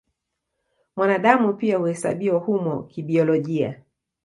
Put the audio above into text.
Mwanadamu pia huhesabiwa humo kibiolojia.